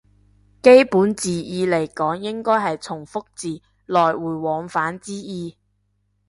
基本字義嚟講應該係從復字，來回往返之意